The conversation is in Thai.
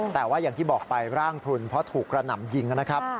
แต่ว่าอย่างที่บอกไปร่างพลุนเพราะถูกกระหน่ำยิงนะครับ